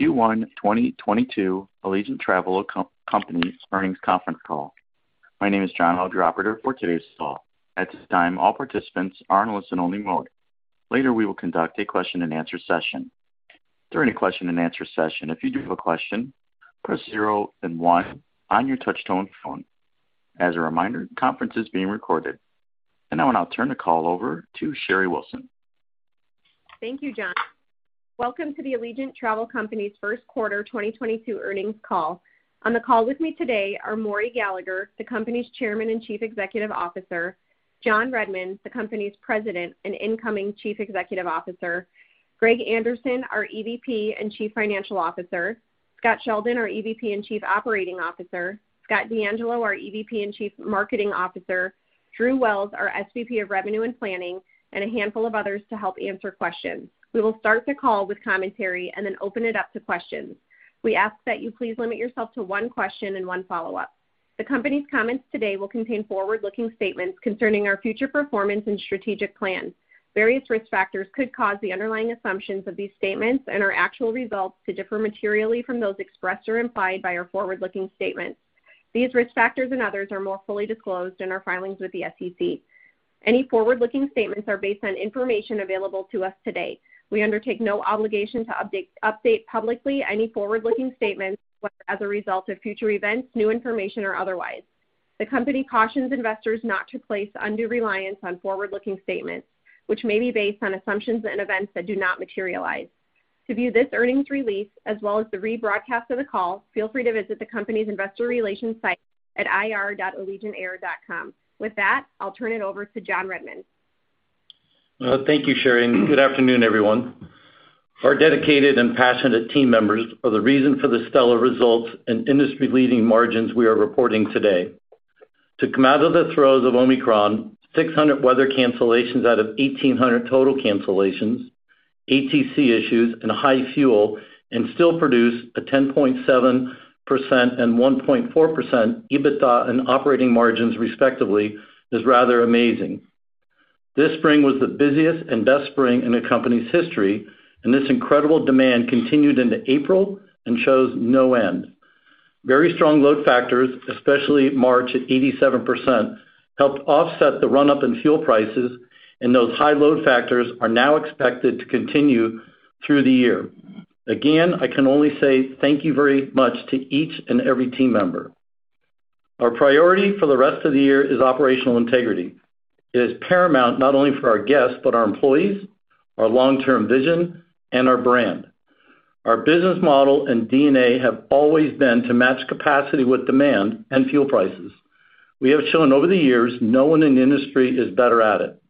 Q1 2022 Allegiant Travel Company Earnings Conference Call. My name is John, your operator for today's call. At this time, all participants are in listen-only mode. Later, we will conduct a question-and-answer session. During the question-and-answer session, if you do have a question, press zero then one on your touch-tone phone. As a reminder, the conference is being recorded. Now I'll turn the call over to Sherry Wilson. Thank you, John. Welcome to the Allegiant Travel Company's first quarter 2022 earnings call. On the call with me today are Maury Gallagher, the company's chairman and chief executive officer, John Redmond, the company's president and incoming chief executive officer, Greg Anderson, our EVP and chief financial officer, Scott Sheldon, our EVP and chief operating officer, Scott DeAngelo, our EVP and chief marketing officer, Drew Wells, our SVP of revenue and planning, and a handful of others to help answer questions. We will start the call with commentary and then open it up to questions. We ask that you please limit yourself to one question and one follow-up. The company's comments today will contain forward-looking statements concerning our future performance and strategic plans. Various risk factors could cause the underlying assumptions of these statements and our actual results to differ materially from those expressed or implied by our forward-looking statements. These risk factors and others are more fully disclosed in our filings with the SEC. Any forward-looking statements are based on information available to us today. We undertake no obligation to update publicly any forward-looking statements whether as a result of future events, new information or otherwise. The company cautions investors not to place undue reliance on forward-looking statements, which may be based on assumptions and events that do not materialize. To view this earnings release as well as the rebroadcast of the call, feel free to visit the company's investor relations site at ir.allegiantair.com. With that, I'll turn it over to John Redmond. Well, thank you, Sherry, and good afternoon, everyone. Our dedicated and passionate team members are the reason for the stellar results and industry-leading margins we are reporting today. To come out of the throes of Omicron, 600 weather cancellations out of 1,800 total cancellations, ATC issues and high fuel, and still produce a 10.7% and 1.4% EBITDA and operating margins respectively is rather amazing. This spring was the busiest and best spring in the company's history, and this incredible demand continued into April and shows no end. Very strong load factors, especially March at 87%, helped offset the run-up in fuel prices, and those high load factors are now expected to continue through the year. Again, I can only say thank you very much to each and every team member. Our priority for the rest of the year is operational integrity. It is paramount not only for our guests, but our employees, our long-term vision, and our brand. Our business model and DNA have always been to match capacity with demand and fuel prices. We have shown over the years no one in the industry is better at it.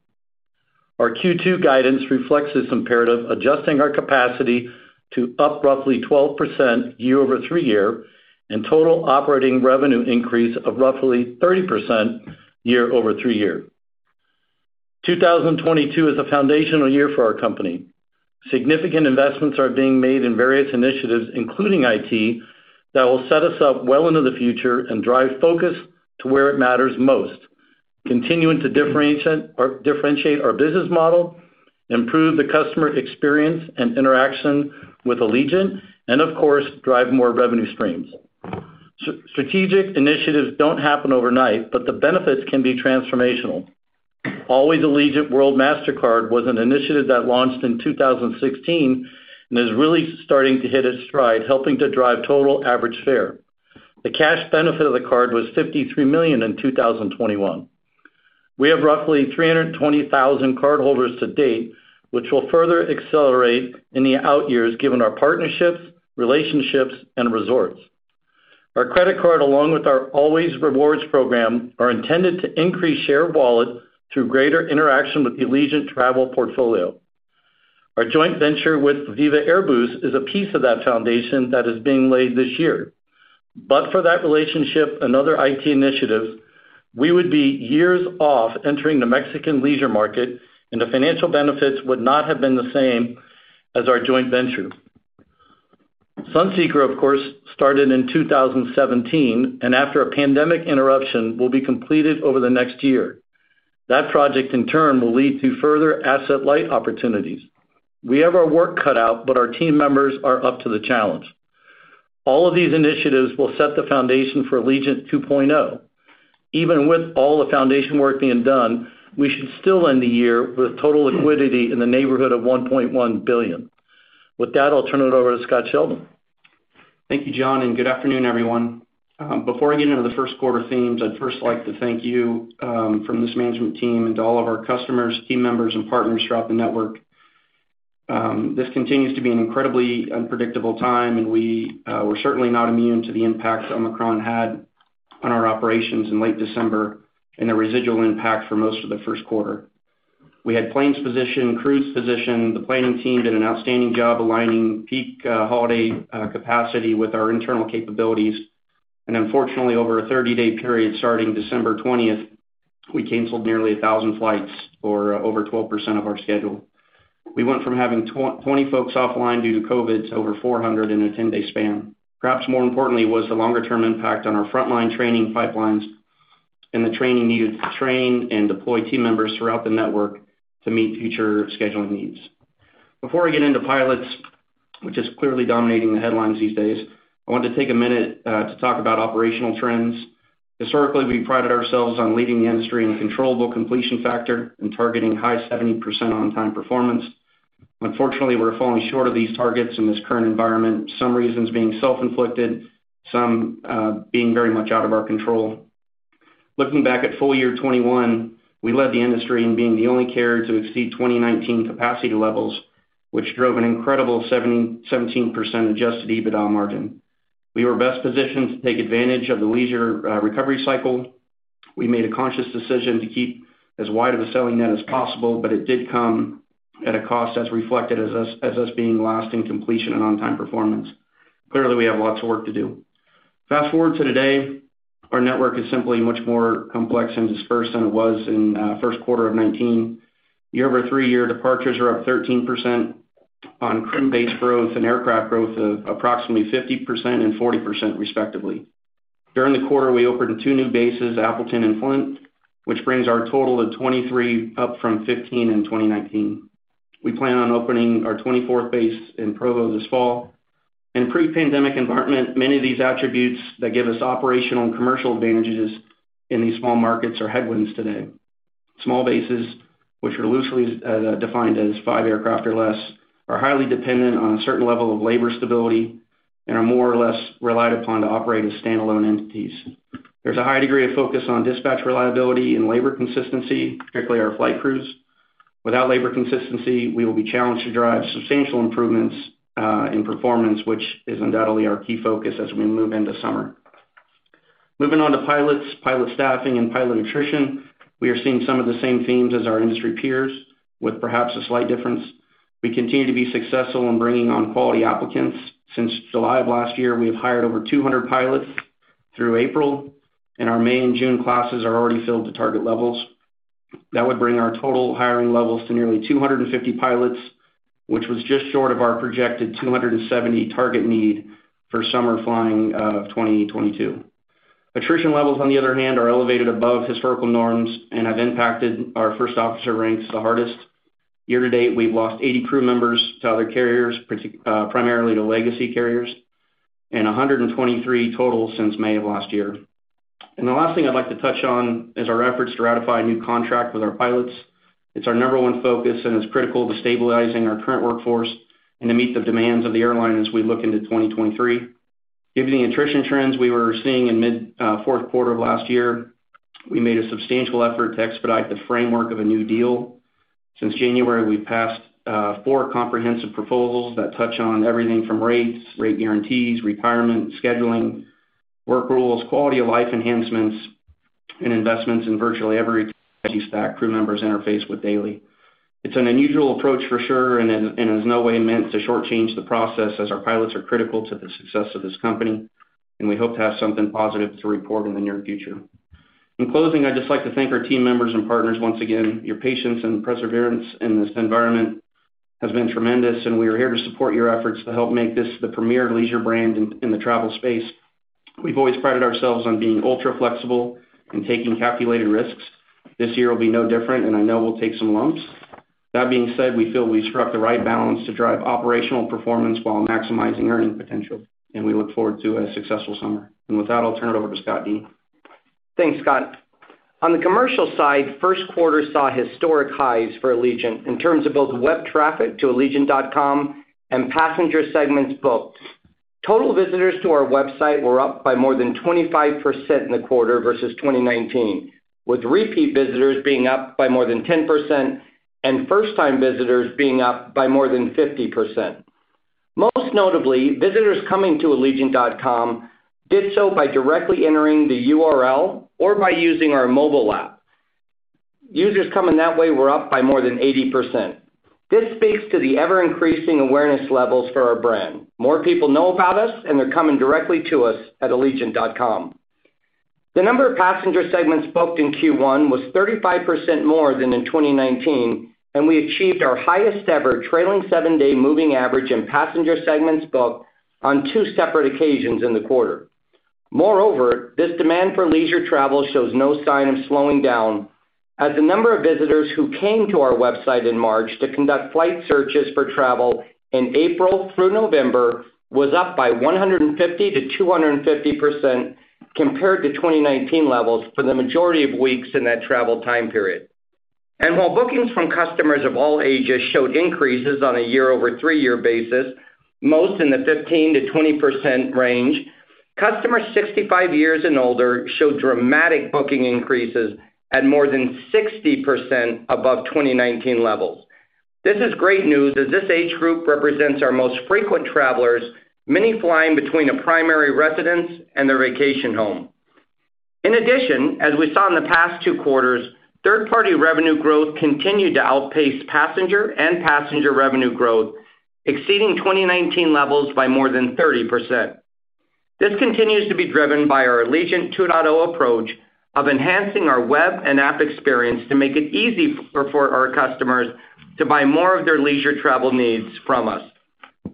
Our Q2 guidance reflects this imperative, adjusting our capacity to up roughly 12% year-over-year and total operating revenue increase of roughly 30% year-over-year. 2022 is a foundational year for our company. Significant investments are being made in various initiatives, including IT, that will set us up well into the future and drive focus to where it matters most, continuing to differentiate our business model, improve the customer experience and interaction with Allegiant and, of course, drive more revenue streams. Strategic initiatives don't happen overnight, but the benefits can be transformational. Allways Allegiant World Mastercard was an initiative that launched in 2016 and is really starting to hit its stride, helping to drive total average fare. The cash benefit of the card was $53 million in 2021. We have roughly 320,000 cardholders to date, which will further accelerate in the outyears given our partnerships, relationships, and resorts. Our credit card, along with our Allways Rewards program, are intended to increase share of wallet through greater interaction with the Allegiant travel portfolio. Our joint venture with Viva Aerobus is a piece of that foundation that is being laid this year. For that relationship another IT initiative, we would be years off entering the Mexican leisure market, and the financial benefits would not have been the same as our joint venture. Sunseeker, of course, started in 2017, and after a pandemic interruption, will be completed over the next year. That project, in turn, will lead to further asset-light opportunities. We have our work cut out, but our team members are up to the challenge. All of these initiatives will set the foundation for Allegiant 2.0. Even with all the foundation work being done, we should still end the year with total liquidity in the neighborhood of $1.1 billion. With that, I'll turn it over to Scott Sheldon. Thank you, John, and good afternoon, everyone. Before I get into the first quarter themes, I'd first like to thank you from this management team and to all of our customers, team members and partners throughout the network. This continues to be an incredibly unpredictable time, and we're certainly not immune to the impact Omicron had on our operations in late December and the residual impact for most of the first quarter. We had planes positioned, crews positioned. The planning team did an outstanding job aligning peak holiday capacity with our internal capabilities. Unfortunately, over a 30-day period starting December twentieth, we canceled nearly 1,000 flights or over 12% of our schedule. We went from having twenty folks offline due to COVID to over 400 in a 10-day span. Perhaps more importantly was the longer-term impact on our frontline training pipelines and the training needed to train and deploy team members throughout the network to meet future scheduling needs. Before I get into pilots, which is clearly dominating the headlines these days, I want to take a minute to talk about operational trends. Historically, we prided ourselves on leading the industry in controllable completion factor and targeting high 70% on-time performance. Unfortunately, we're falling short of these targets in this current environment, some reasons being self-inflicted, some being very much out of our control. Looking back at full-year 2021, we led the industry in being the only carrier to exceed 2019 capacity levels, which drove an incredible 17% adjusted EBITDA margin. We were best positioned to take advantage of the leisure recovery cycle. We made a conscious decision to keep as wide of a selling net as possible, but it did come at a cost that's reflected as us being last in completion and on-time performance. Clearly, we have lots of work to do. Fast-forward to today, our network is simply much more complex and dispersed than it was in first quarter of 2019. Year-over-year departures are up 13% on crew base growth and aircraft growth of approximately 50% and 40% respectively. During the quarter, we opened two new bases, Appleton and Flint, which brings our total to 23, up from 15 in 2019. We plan on opening our 24th base in Provo this fall. In pre-pandemic environment, many of these attributes that give us operational and commercial advantages in these small markets are headwinds today. Small bases, which are loosely defined as five aircraft or less, are highly dependent on a certain level of labor stability and are more or less relied upon to operate as standalone entities. There's a high degree of focus on dispatch reliability and labor consistency, particularly our flight crews. Without labor consistency, we will be challenged to drive substantial improvements in performance, which is undoubtedly our key focus as we move into summer. Moving on to pilots, pilot staffing, and pilot attrition, we are seeing some of the same themes as our industry peers with perhaps a slight difference. We continue to be successful in bringing on quality applicants. Since July of last year, we have hired over 200 pilots through April, and our May and June classes are already filled to target levels. That would bring our total hiring levels to nearly 250 pilots, which was just short of our projected 270 target need for summer flying of 2022. Attrition levels, on the other hand, are elevated above historical norms and have impacted our first officer ranks the hardest. Year-to-date, we've lost 80 crew members to other carriers, primarily to legacy carriers, and 123 total since May of last year. The last thing I'd like to touch on is our efforts to ratify a new contract with our pilots. It's our number one focus, and it's critical to stabilizing our current workforce and to meet the demands of the airline as we look into 2023. Given the attrition trends we were seeing in mid fourth quarter of last year, we made a substantial effort to expedite the framework of a new deal. Since January, we've passed 4 comprehensive proposals that touch on everything from rates, rate guarantees, requirement, scheduling, work rules, quality of life enhancements, and investments in virtually every stack crew members interface with daily. It's an unusual approach for sure and in no way meant to shortchange the process as our pilots are critical to the success of this company, and we hope to have something positive to report in the near future. In closing, I'd just like to thank our team members and partners once again. Your patience and perseverance in this environment has been tremendous, and we are here to support your efforts to help make this the premier leisure brand in the travel space. We've always prided ourselves on being ultra flexible and taking calculated risks. This year will be no different, and I know we'll take some lumps. That being said, we feel we struck the right balance to drive operational performance while maximizing earning potential, and we look forward to a successful summer. With that, I'll turn it over to Scott DeAngelo. Thanks, Scott. On the commercial side, first quarter saw historic highs for Allegiant in terms of both web traffic to allegiant.com and passenger segments booked. Total visitors to our website were up by more than 25% in the quarter versus 2019, with repeat visitors being up by more than 10% and first-time visitors being up by more than 50%. Most notably, visitors coming to allegiant.com did so by directly entering the URL or by using our mobile app. Users coming that way were up by more than 80%. This speaks to the ever-increasing awareness levels for our brand. More people know about us, and they're coming directly to us at allegiant.com. The number of passenger segments booked in Q1 was 35% more than in 2019, and we achieved our highest ever trailing seven-day moving average in passenger segments booked on two separate occasions in the quarter. Moreover, this demand for leisure travel shows no sign of slowing down as the number of visitors who came to our website in March to conduct flight searches for travel in April through November was up by 150%-250% compared to 2019 levels for the majority of weeks in that travel time period. While bookings from customers of all ages showed increases on a year-over-three-year basis, most in the 15%-20% range, customers 65 years and older showed dramatic booking increases at more than 60% above 2019 levels. This is great news as this age group represents our most frequent travelers, many flying between a primary residence and their vacation home. In addition, as we saw in the past two quarters, third-party revenue growth continued to outpace passenger and passenger revenue growth, exceeding 2019 levels by more than 30%. This continues to be driven by our Allegiant 2.0 approach of enhancing our web and app experience to make it easy for our customers to buy more of their leisure travel needs from us.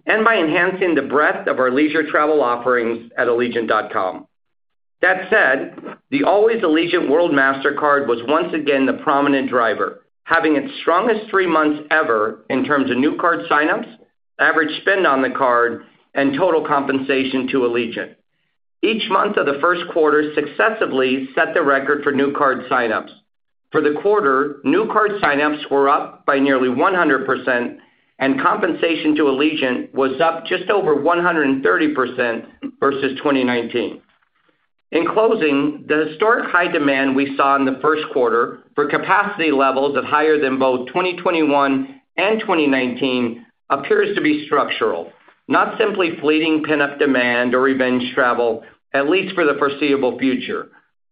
By enhancing the breadth of our leisure travel offerings at allegiant.com. That said, the Allways Allegiant World Mastercard was once again the prominent driver, having its strongest three months ever in terms of new card signups, average spend on the card, and total compensation to Allegiant. Each month of the first quarter successively set the record for new card signups. For the quarter, new card signups were up by nearly 100%, and compensation to Allegiant was up just over 130% versus 2019. In closing, the historic high demand we saw in the first quarter for capacity levels higher than both 2021 and 2019 appears to be structural, not simply fleeting pickup demand or revenge travel, at least for the foreseeable future.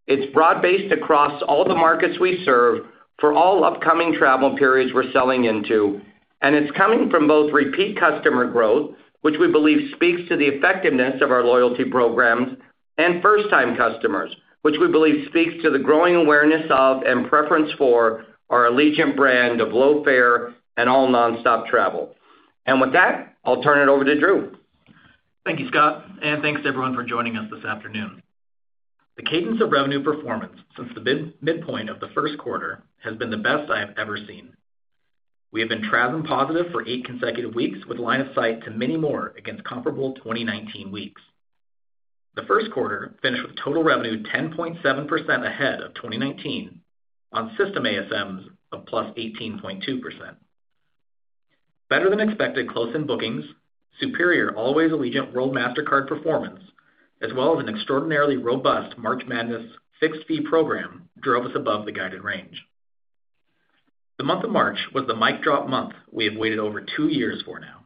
It's broad-based across all the markets we serve for all upcoming travel periods we're selling into, and it's coming from both repeat customer growth, which we believe speaks to the effectiveness of our loyalty programs and first time customers, which we believe speaks to the growing awareness of and preference for our Allegiant brand of low fare and all nonstop travel. With that, I'll turn it over to Drew. Thank you, Scott, and thanks everyone for joining us this afternoon. The cadence of revenue performance since the midpoint of the first quarter has been the best I have ever seen. We have been TRASM positive for eight consecutive weeks with line of sight to many more against comparable 2019 weeks. The first quarter finished with total revenue 10.7% ahead of 2019 on system ASMs of +18.2%. Better than expected close-in bookings, superior Allways Allegiant World Mastercard performance, as well as an extraordinarily robust March Madness fixed fee program drove us above the guided range. The month of March was the mic drop month we have waited over two years for now.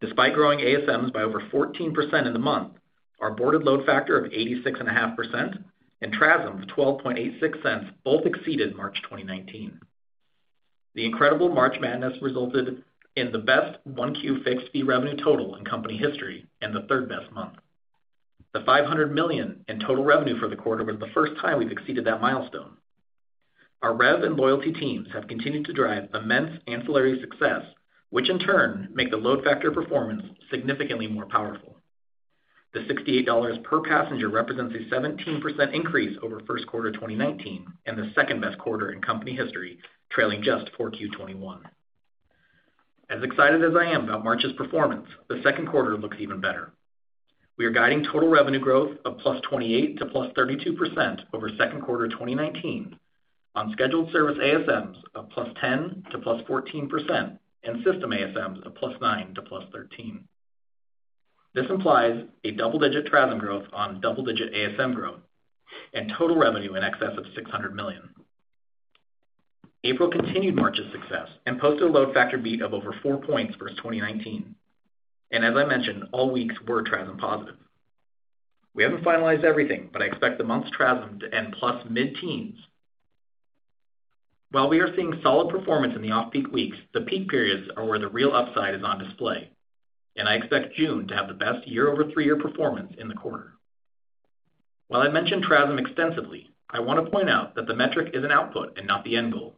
Despite growing ASMs by over 14% in the month, our boarded load factor of 86.5% and TRASM of $0.1286 both exceeded March 2019. The incredible March Madness resulted in the best 1Q fixed fee revenue total in company history and the third-best month. The $500 million in total revenue for the quarter was the first time we've exceeded that milestone. Our rev and loyalty teams have continued to drive immense ancillary success, which in turn make the load factor performance significantly more powerful. The $68 per passenger represents a 17% increase over first quarter of 2019 and the second-best quarter in company history, trailing just 4Q 2021. As excited as I am about March's performance, the second quarter looks even better. We are guiding total revenue growth of +28% to +32% over second quarter 2019 on scheduled service ASMs of +10% to +14% and system ASMs of +9% to +13%. This implies a double-digit TRASM growth on double-digit ASM growth and total revenue in excess of $600 million. April continued March's success and posted a load factor beat of over four points versus 2019. As I mentioned, all weeks were TRASM positive. We haven't finalized everything, but I expect the month's TRASM to end plus mid-teens. While we are seeing solid performance in the off-peak weeks, the peak periods are where the real upside is on display. I expect June to have the best year-over-three-year performance in the quarter. While I mentioned TRASM extensively, I want to point out that the metric is an output and not the end goal.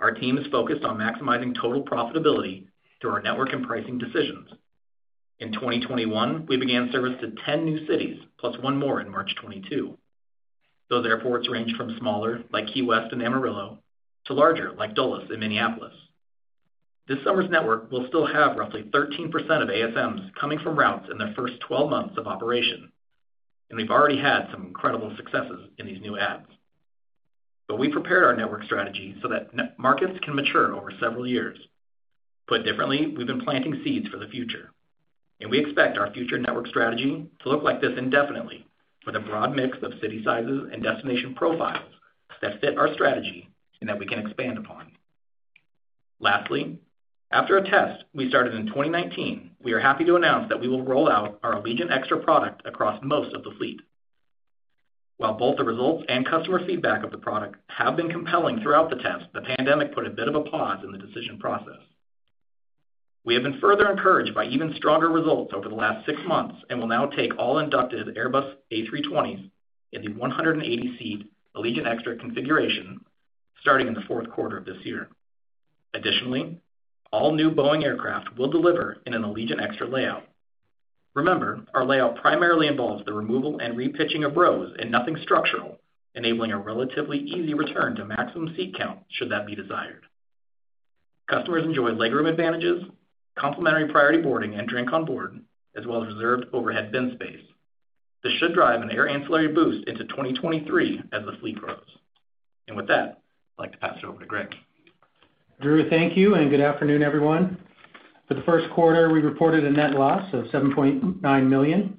Our team is focused on maximizing total profitability through our network and pricing decisions. In 2021, we began service to 10 new cities, plus 1 more in March 2022. Those airports range from smaller, like Key West and Amarillo, to larger, like Dulles and Minneapolis. This summer's network will still have roughly 13% of ASMs coming from routes in their first 12 months of operation, and we've already had some incredible successes in these new adds. We prepared our network strategy so that new markets can mature over several years. Put differently, we've been planting seeds for the future, and we expect our future network strategy to look like this indefinitely with a broad mix of city sizes and destination profiles that fit our strategy and that we can expand upon. Lastly, after a test we started in 2019, we are happy to announce that we will roll out our Allegiant Extra product across most of the fleet. While both the results and customer feedback of the product have been compelling throughout the test, the pandemic put a bit of a pause in the decision process. We have been further encouraged by even stronger results over the last six months and will now take all inducted Airbus A320s in the 180-seat Allegiant Extra configuration starting in the fourth quarter of this year. Additionally, all new Boeing aircraft will deliver in an Allegiant Extra layout. Remember, our layout primarily involves the removal and repitching of rows and nothing structural, enabling a relatively easy return to maximum seat count should that be desired. Customers enjoy legroom advantages, complimentary priority boarding and drink on board, as well as reserved overhead bin space. This should drive an air ancillary boost into 2023 as the fleet grows. With that, I'd like to pass it over to Greg. Drew, thank you, and good afternoon, everyone. For the first quarter, we reported a net loss of $7.9 million.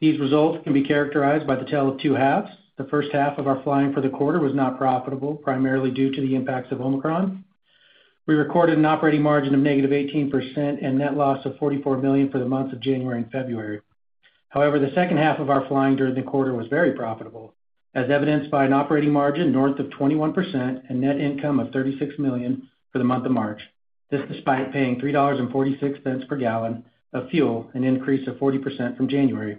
These results can be characterized by the tale of two halves. The first half of our flying for the quarter was not profitable, primarily due to the impacts of Omicron. We recorded an operating margin of -18% and net loss of $44 million for the months of January and February. However, the second half of our flying during the quarter was very profitable, as evidenced by an operating margin north of 21% and net income of $36 million for the month of March. This despite paying $3.46 per gallon of fuel, an increase of 40% from January.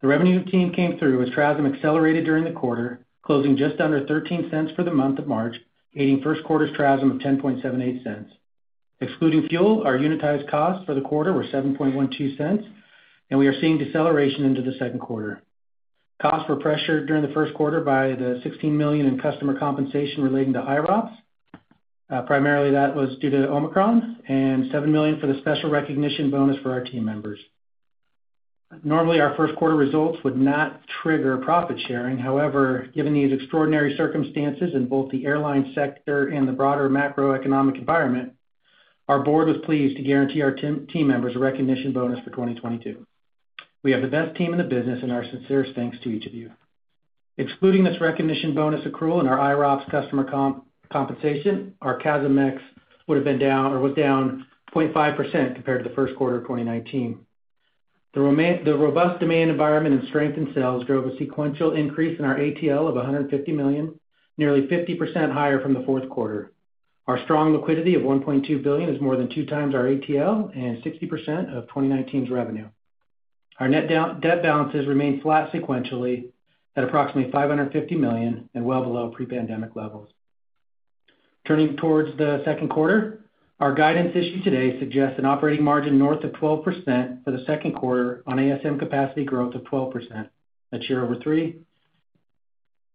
The revenue team came through as TRASM accelerated during the quarter, closing just under $0.13 for the month of March, aiding first quarter's TRASM of $0.1078. Excluding fuel, our unitized costs for the quarter were $0.0712, and we are seeing deceleration into the second quarter. Costs were pressured during the first quarter by the $16 million in customer compensation relating to IROPS. Primarily that was due to Omicron, and $7 million for the special recognition bonus for our team members. Normally, our first quarter results would not trigger profit sharing. However, given these extraordinary circumstances in both the airline sector and the broader macroeconomic environment, our board was pleased to guarantee our team members a recognition bonus for 2022. We have the best team in the business and our sincerest thanks to each of you. Excluding this recognition bonus accrual in our IROPS customer compensation, our CASM-ex would have been down or was down 0.5% compared to the first quarter of 2019. The robust demand environment and strength in sales drove a sequential increase in our ATL of $150 million, nearly 50% higher from the fourth quarter. Our strong liquidity of $1.2 billion is more than 2x our ATL and 60% of 2019's revenue. Our net debt balances remain flat sequentially at approximately $550 million and well below pre-pandemic levels. Turning towards the second quarter, our guidance issued today suggests an operating margin north of 12% for the second quarter on ASM capacity growth of 12% year-over-year.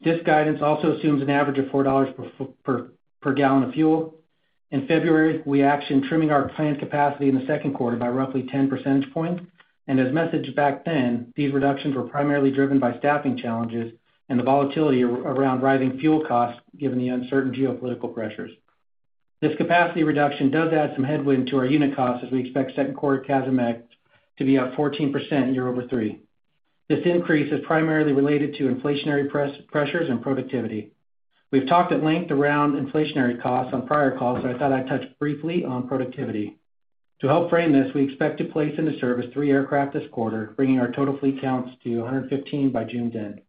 This guidance also assumes an average of $4 per gallon of fuel. In February, we actioned trimming our planned capacity in the second quarter by roughly 10 percentage points, and as messaged back then, these reductions were primarily driven by staffing challenges and the volatility around rising fuel costs given the uncertain geopolitical pressures. This capacity reduction does add some headwind to our unit costs as we expect second-quarter CASM-ex to be up 14% year-over-year. This increase is primarily related to inflationary pressures and productivity. We've talked at length around inflationary costs on prior calls, but I thought I'd touch briefly on productivity. To help frame this, we expect to place into service three aircraft this quarter, bringing our total fleet counts to 115 by June's end.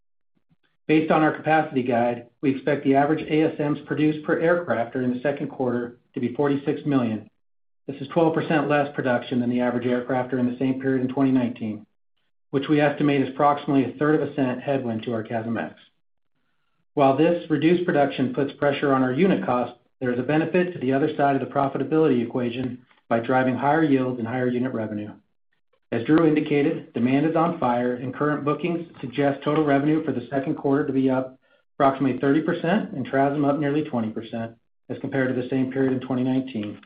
Based on our capacity guide, we expect the average ASMs produced per aircraft during the second quarter to be 46 million. This is 12% less production than the average aircraft during the same period in 2019, which we estimate is approximately a third of a cent headwind to our CASM-ex. While this reduced production puts pressure on our unit cost, there is a benefit to the other side of the profitability equation by driving higher yield and higher unit revenue. As Drew indicated, demand is on fire, and current bookings suggest total revenue for the second quarter to be up approximately 30% and TRASM up nearly 20% as compared to the same period in 2019,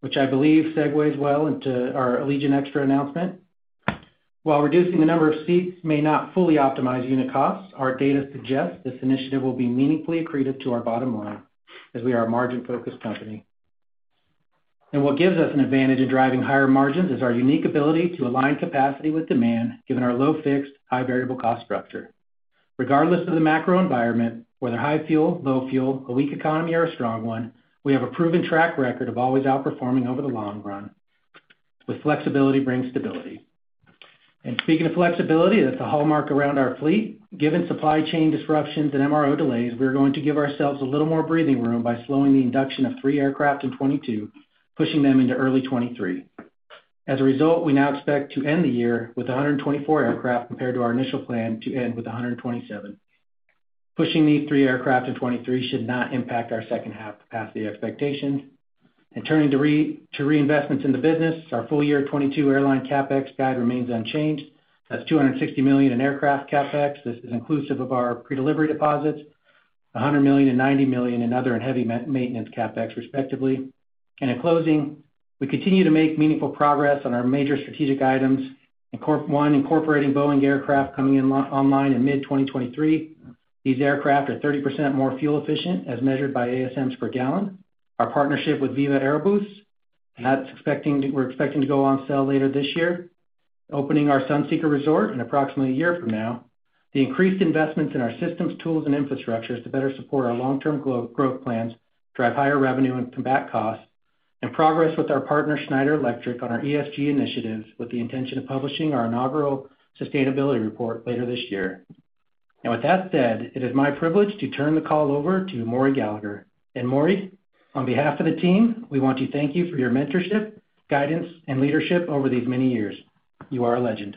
which I believe segues well into our Allegiant Extra announcement. While reducing the number of seats may not fully optimize unit costs, our data suggests this initiative will be meaningfully accretive to our bottom line as we are a margin-focused company. What gives us an advantage in driving higher margins is our unique ability to align capacity with demand, given our low fixed, high variable cost structure. Regardless of the macro environment, whether high fuel, low fuel, a weak economy or a strong one, we have a proven track record of always outperforming over the long run, with flexibility brings stability. Speaking of flexibility, that's a hallmark around our fleet. Given supply chain disruptions and MRO delays, we are going to give ourselves a little more breathing room by slowing the induction of three aircraft in 2022, pushing them into early 2023. As a result, we now expect to end the year with 124 aircraft compared to our initial plan to end with 127. Pushing these three aircraft in 2023 should not impact our second half capacity expectations. Turning to reinvestments in the business, our full-year 2022 airline CapEx guide remains unchanged. That's $260 million in aircraft CapEx. This is inclusive of our predelivery deposits, $100 million-$90 million in other and heavy maintenance CapEx, respectively. In closing, we continue to make meaningful progress on our major strategic items, one, incorporating Boeing aircraft coming in online in mid-2023. These aircraft are 30% more fuel efficient as measured by ASMs per gallon. Our partnership with Viva Aerobus, and we're expecting to go on sale later this year. Opening our Sunseeker Resort in approximately a year from now. The increased investments in our systems, tools, and infrastructures to better support our long-term growth plans, drive higher revenue and combat costs, and progress with our partner, Schneider Electric, on our ESG initiatives with the intention of publishing our inaugural sustainability report later this year. With that said, it is my privilege to turn the call over to Maury Gallagher. Maury, on behalf of the team, we want to thank you for your mentorship, guidance, and leadership over these many years. You are a legend.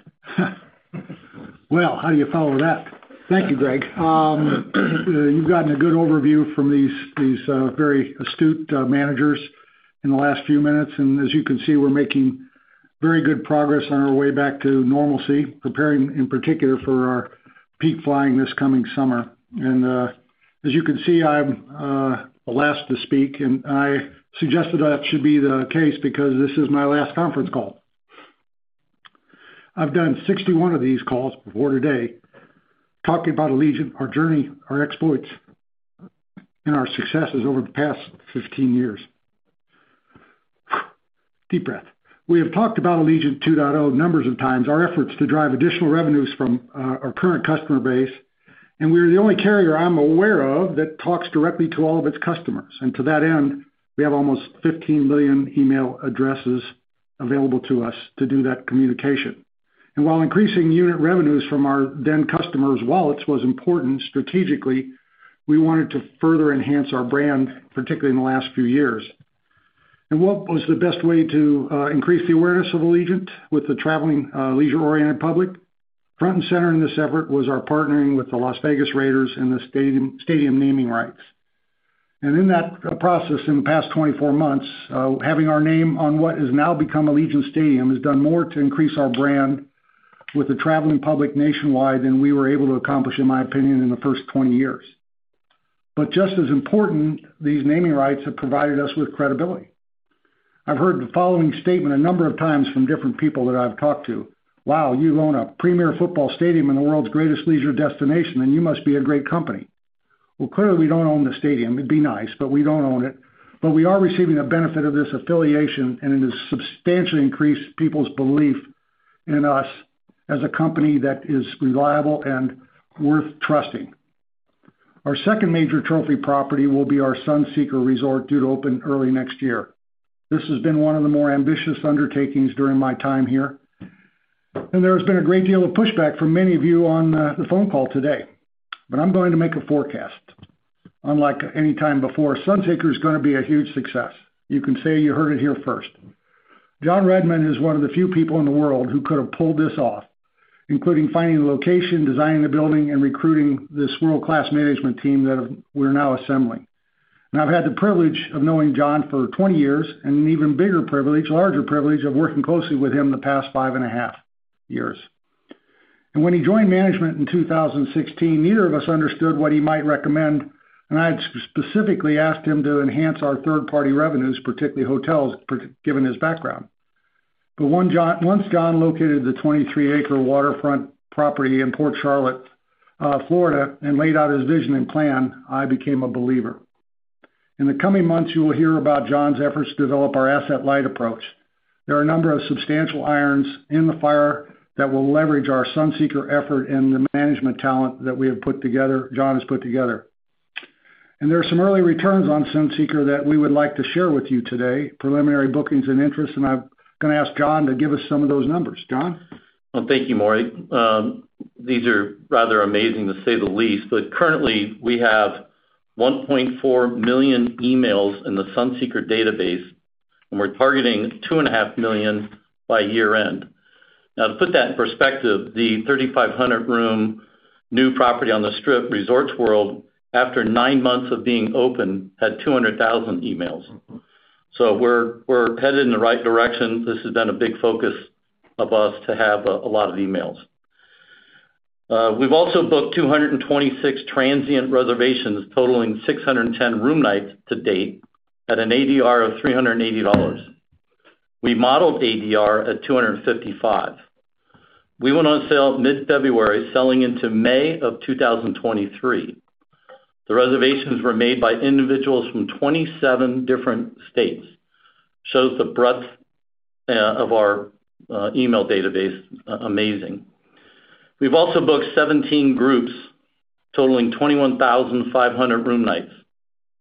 Well, how do you follow that? Thank you, Greg. You've gotten a good overview from these very astute managers in the last few minutes. As you can see, we're making very good progress on our way back to normalcy, preparing in particular for our peak flying this coming summer. As you can see, I'm the last to speak, and I suggested that should be the case because this is my last conference call. I've done 61 of these calls before today talking about Allegiant, our journey, our exploits, and our successes over the past 15 years. Deep breath. We have talked about Allegiant 2.0 numerous times, our efforts to drive additional revenues from our current customer base, and we're the only carrier I'm aware of that talks directly to all of its customers. To that end, we have almost 15 million email addresses available to us to do that communication. While increasing unit revenues from our then customers' wallets was important strategically, we wanted to further enhance our brand, particularly in the last few years. What was the best way to increase the awareness of Allegiant with the traveling leisure-oriented public? Front and center in this effort was our partnering with the Las Vegas Raiders in the stadium naming rights. In that process in the past 24 months, having our name on what has now become Allegiant Stadium, has done more to increase our brand with the traveling public nationwide than we were able to accomplish, in my opinion, in the first 20 years. Just as important, these naming rights have provided us with credibility. I've heard the following statement a number of times from different people that I've talked to, "Wow, you own a premier football stadium in the world's greatest leisure destination, and you must be a great company." Well, clearly, we don't own the stadium. It'd be nice, but we don't own it. We are receiving a benefit of this affiliation, and it has substantially increased people's belief in us as a company that is reliable and worth trusting. Our second major trophy property will be our Sunseeker Resort, due to open early next year. This has been one of the more ambitious undertakings during my time here, and there has been a great deal of pushback from many of you on the phone call today. I'm going to make a forecast. Unlike any time before, Sunseeker is gonna be a huge success. You can say you heard it here first. John Redmond is one of the few people in the world who could have pulled this off, including finding the location, designing the building, and recruiting this world-class management team that we're now assembling. I've had the privilege of knowing John for 20 years, and an even bigger privilege, larger privilege of working closely with him the past five and a half years. When he joined management in 2016, neither of us understood what he might recommend, and I had specifically asked him to enhance our third-party revenues, particularly hotels, given his background. Once John located the 23-acre waterfront property in Port Charlotte, Florida, and laid out his vision and plan, I became a believer. In the coming months, you will hear about John's efforts to develop our asset-light approach. There are a number of substantial irons in the fire that will leverage our Sunseeker effort and the management talent that we have put together, John has put together. There are some early returns on Sunseeker that we would like to share with you today, preliminary bookings and interest, and I'm gonna ask John to give us some of those numbers. John? Well, thank you, Maury. These are rather amazing, to say the least. Currently, we have 1.4 million emails in the Sunseeker database, and we're targeting 2.5 million by year-end. Now to put that in perspective, the 3,500-room new property on the Strip, Resorts World Las Vegas, after nine months of being open, had 200,000 emails. We're headed in the right direction. This has been a big focus of us to have a lot of emails. We've also booked 226 transient reservations totaling 610 room nights to date at an ADR of $380. We modeled ADR at $255. We went on sale mid-February, selling into May of 2023. The reservations were made by individuals from 27 different states. Shows the breadth of our email database, amazing. We've also booked 17 groups totaling 21,500 room nights.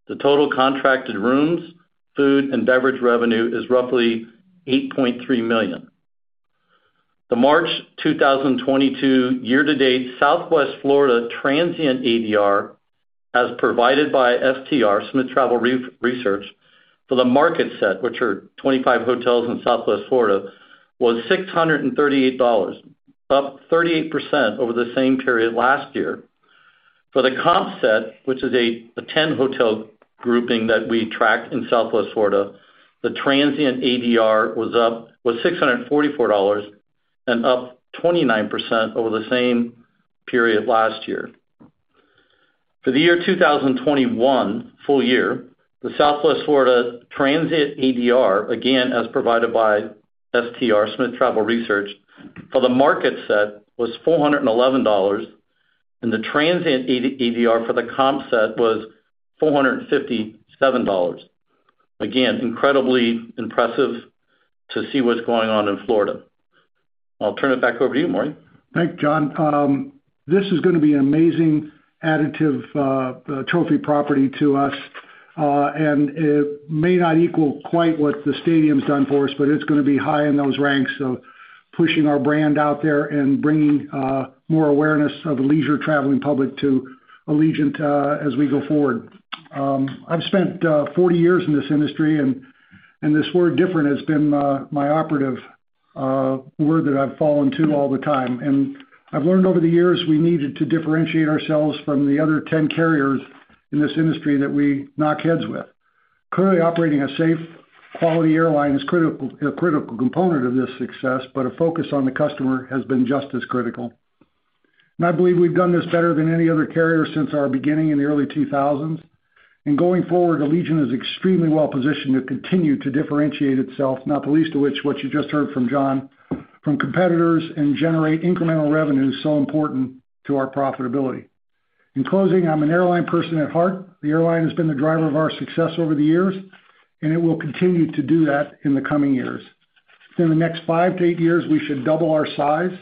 The total contracted rooms, food, and beverage revenue is roughly $8.3 million. The March 2022 year-to-date Southwest Florida transient ADR, as provided by STR, Smith Travel Research, for the market set, which are 25 hotels in Southwest Florida, was $638, up 38% over the same period last year. For the comp set, which is a ten-hotel grouping that we track in Southwest Florida, the transient ADR was $644 and up 29% over the same period last year. For the year 2021 full-year, the Southwest Florida transient ADR, again, as provided by STR, Smith Travel Research, for the market set was $411, and the transient ADR for the comp set was $457. Again, incredibly impressive to see what's going on in Florida. I'll turn it back over to you, Maury. Thanks, John. This is gonna be an amazing addition, trophy property to us, and it may not equal quite what the stadium's done for us, but it's gonna be high in those ranks of pushing our brand out there and bringing more awareness of the leisure traveling public to Allegiant, as we go forward. I've spent 40 years in this industry and this word different has been my operative word that I've fallen to all the time. I've learned over the years we needed to differentiate ourselves from the other 10 carriers in this industry that we knock heads with. Currently operating a safe, quality airline is critical, a critical component of this success, but a focus on the customer has been just as critical. I believe we've done this better than any other carrier since our beginning in the early 2000s. Going forward, Allegiant is extremely well-positioned to continue to differentiate itself, not the least of which, what you just heard from John, from competitors and generate incremental revenue so important to our profitability. In closing, I'm an airline person at heart. The airline has been the driver of our success over the years, and it will continue to do that in the coming years. In the next five to eight years, we should double our size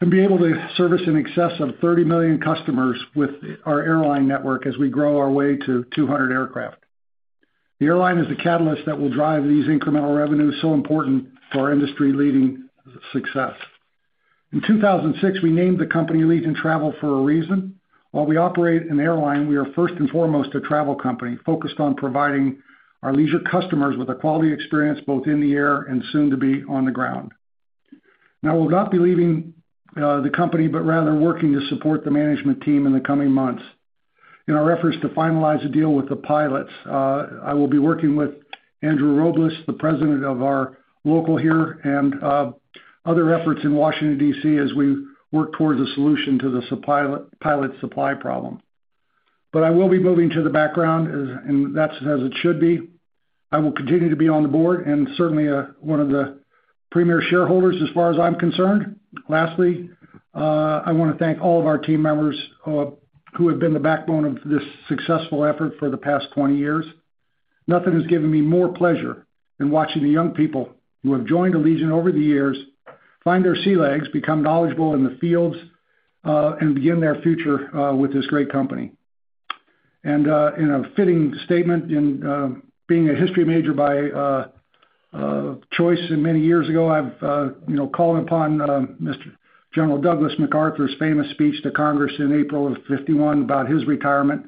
and be able to service in excess of 30 million customers with our airline network as we grow our way to 200 aircraft. The airline is the catalyst that will drive these incremental revenues so important for our industry-leading success. In 2006, we named the company Allegiant Travel for a reason. While we operate an airline, we are first and foremost a travel company focused on providing our leisure customers with a quality experience both in the air and soon to be on the ground. Now, we'll not be leaving the company, but rather working to support the management team in the coming months. In our efforts to finalize a deal with the pilots, I will be working with Andrew Robles, the president of our local here, and other efforts in Washington, D.C., as we work towards a solution to the pilot supply problem. I will be moving to the background and that's as it should be. I will continue to be on the board and certainly one of the premier shareholders as far as I'm concerned. Lastly, I wanna thank all of our team members, who have been the backbone of this successful effort for the past 20 years. Nothing has given me more pleasure than watching the young people who have joined Allegiant over the years find their sea legs, become knowledgeable in the fields, and begin their future with this great company. In a fitting statement in being a history major by choice many years ago, I've you know called upon Mr. General Douglas MacArthur's famous speech to Congress in April of 1951 about his retirement.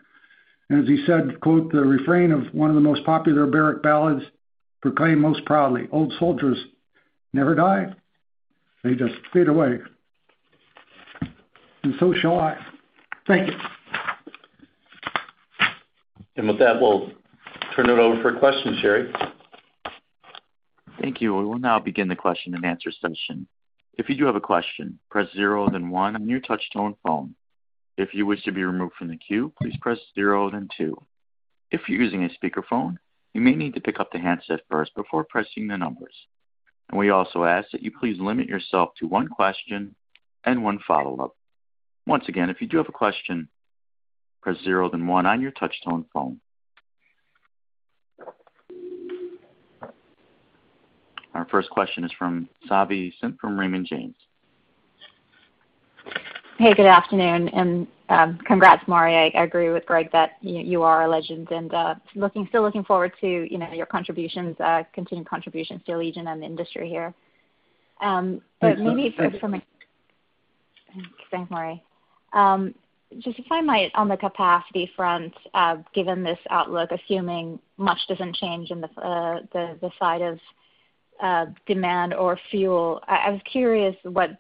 As he said, quote, The refrain of one of the most popular barrack ballads proclaimed most proudly, Old soldiers never die, they just fade away. So shall I. Thank you. With that, we'll turn it over for questions, Sherry. Thank you. We will now begin the question and answer session. If you do have a question, press zero, then one on your touch tone phone. If you wish to be removed from the queue, please press zero then two. If you're using a speakerphone, you may need to pick up the handset first before pressing the numbers. We also ask that you please limit yourself to one question and one follow-up. Once again, if you do have a question, press zero then one on your touch tone phone. Our first question is from Savanthi Syth from Raymond James. Hey, good afternoon, and congrats, Maury. I agree with Greg that you are a legend, and still looking forward to, you know, your contributions, continued contributions to Allegiant and the industry here. Maybe for me. Thanks, Maury. Just if I might, on the capacity front, given this outlook, assuming much doesn't change in the side of demand or fuel, I was curious what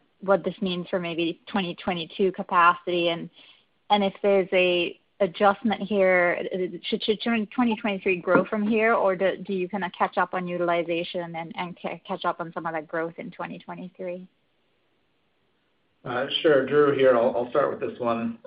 this means for maybe 2022 capacity and if there's an adjustment here. Should 2023 grow from here, or do you kinda catch up on utilization and catch up on some of that growth in 2023? Sure. Drew here. I'll start with this one.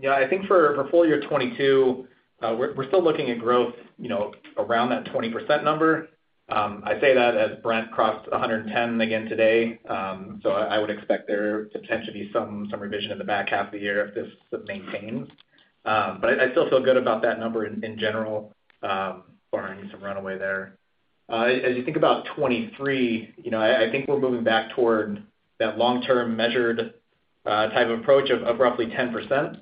Yeah, I think for full-year 2022, we're still looking at growth, you know, around that 20% number. I say that as Brent crossed 110 again today. I would expect there to potentially be some revision in the back half of the year if this maintains. I still feel good about that number in general, barring some runaway there. As you think about 2023, you know, I think we're moving back toward that long-term measured type of approach of roughly 10%.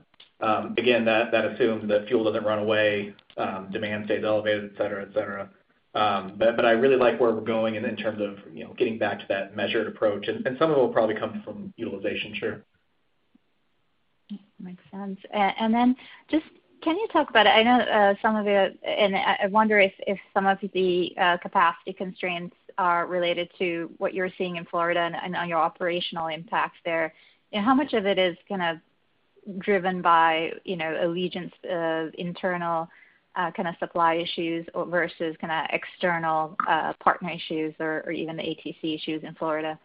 Again, that assumes that fuel doesn't run away, demand stays elevated, et cetera, et cetera. I really like where we're going in terms of, you know, getting back to that measured approach. Some of it will probably come from utilization. Sure. Makes sense. Just, can you talk about, I wonder if some of the capacity constraints are related to what you're seeing in Florida and on your operational impact there. How much of it is kind of driven by, you know, Allegiant's internal kinda supply issues versus kinda external partner issues or even the ATC issues in Florida?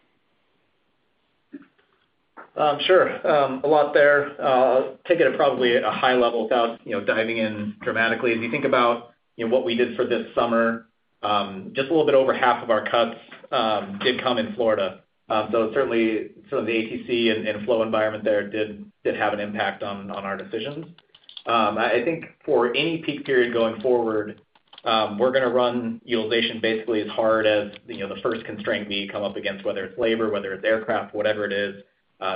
Sure. A lot there. Take it at probably a high level without, you know, diving in dramatically. As you think about, you know, what we did for this summer, just a little bit over half of our cuts did come in Florida. So certainly some of the ATC and flow environment there did have an impact on our decisions. I think for any peak period going forward, we're gonna run utilization basically as hard as, you know, the first constraint we come up against, whether it's labor, whether it's aircraft, whatever it is.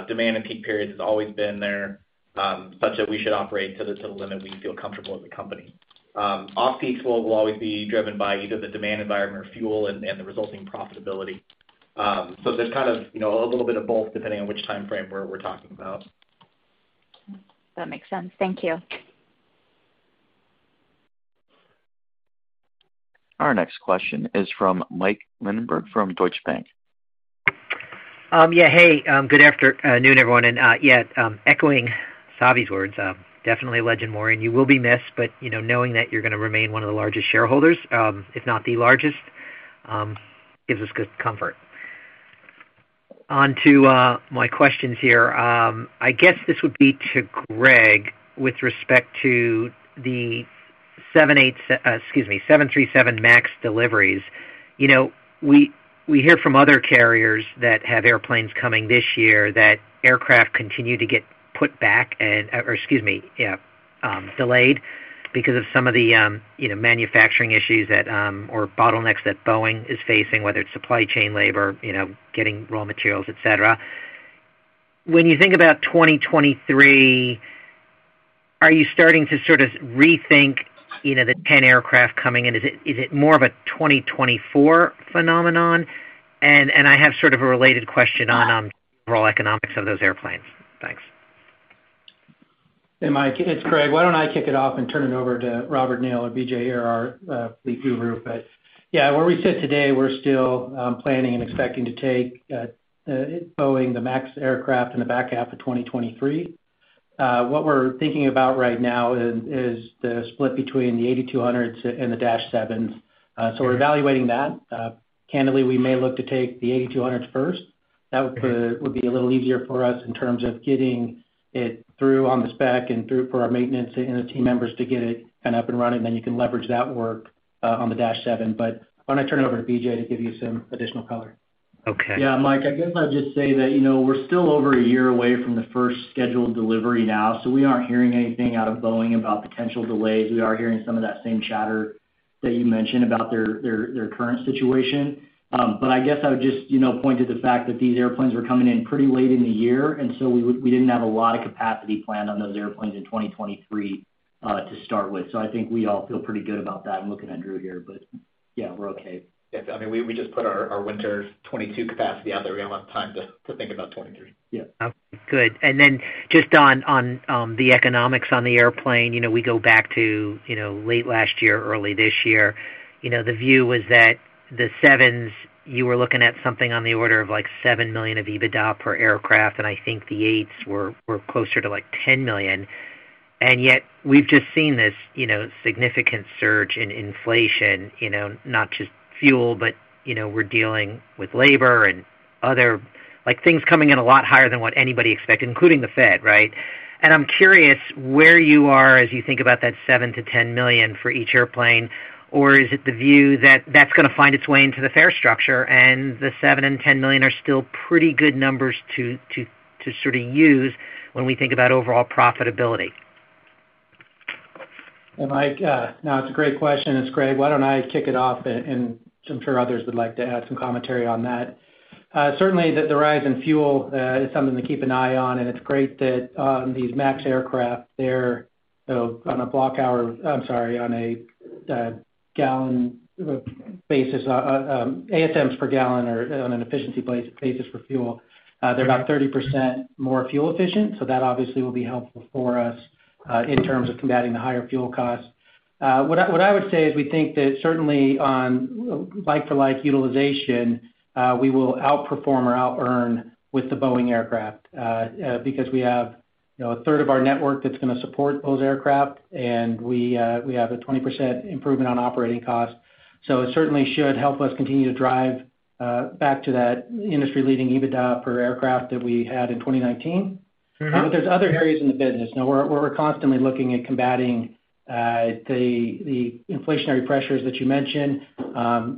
Demand in peak periods has always been there, such that we should operate to the limit we feel comfortable as a company. Off-peak flow will always be driven by either the demand environment or fuel and the resulting profitability. There's kind of, you know, a little bit of both depending on which time frame we're talking about. That makes sense. Thank you. Our next question is from Michael Linenberg, from Deutsche Bank. Yeah. Hey, good afternoon, everyone. Echoing Savanthi's words, definitely a legend, Maury, and you will be missed. You know, knowing that you're gonna remain one of the largest shareholders, if not the largest, gives us good comfort. On to my questions here. I guess this would be to Greg with respect to the 737 MAX deliveries. You know, we hear from other carriers that have airplanes coming this year that aircraft continue to get delayed because of some of the, you know, manufacturing issues that or bottlenecks that Boeing is facing, whether it's supply chain labor, you know, getting raw materials, et cetera. When you think about 2023, are you starting to sort of rethink, you know, the 10 aircraft coming in? Is it more of a 2024 phenomenon? I have sort of a related question on the overall economics of those airplanes. Thanks. Hey, Mike, it's Greg. Why don't I kick it off and turn it over to Robert Neal or BJ or our fleet crew group. Yeah, where we sit today, we're still planning and expecting to take Boeing the Max aircraft in the back half of 2023. What we're thinking about right now is the split between the 8200s and the -7s. We're evaluating that. Candidly, we may look to take the 8200s first. That would be a little easier for us in terms of getting it through on the spec and through for our maintenance and the team members to get it kind of up and running, then you can leverage that work on the -7. Why don't I turn it over to BJ to give you some additional color. Okay. Yeah, Mike, I guess I'll just say that, you know, we're still over a year away from the first scheduled delivery now, so we aren't hearing anything out of Boeing about potential delays. We are hearing some of that same chatter that you mentioned about their current situation. I guess I would just, you know, point to the fact that these airplanes are coming in pretty late in the year, and so we didn't have a lot of capacity planned on those airplanes in 2023 to start with. I think we all feel pretty good about that. I'm looking at Drew here, but yeah, we're okay. Yeah. I mean, we just put our winter 2022 capacity out there. We don't have time to think about 2023. Yeah. Okay, good. Then just on the economics on the airplane, you know, we go back to, you know, late last year, early this year, you know, the view was that the sevens, you were looking at something on the order of, like, $7 million of EBITDA per aircraft, and I think the eights were closer to, like, $10 million. Yet we've just seen this, you know, significant surge in inflation, you know, not just fuel, but, you know, we're dealing with labor and other, like, things coming in a lot higher than what anybody expected, including the Fed, right? I'm curious where you are as you think about that $7 million-$10 million for each airplane, or is it the view that that's gonna find its way into the fare structure, and the $7 million and $10 million are still pretty good numbers to sort of use when we think about overall profitability? Well, Mike, no, it's a great question. It's Greg. Why don't I kick it off and I'm sure others would like to add some commentary on that. Certainly the rise in fuel is something to keep an eye on, and it's great that these Max aircraft, they're on a gallon basis, ASMs per gallon or on an efficiency basis for fuel, they're about 30% more fuel efficient, so that obviously will be helpful for us in terms of combating the higher fuel costs. What I would say is we think that certainly on like-for-like utilization, we will outperform or outearn with the Boeing aircraft, because we have, you know, a third of our network that's gonna support those aircraft, and we have a 20% improvement on operating costs. It certainly should help us continue to drive back to that industry-leading EBITDA per aircraft that we had in 2019. Mm-hmm. There are other areas in the business. Now we're constantly looking at combating the inflationary pressures that you mentioned.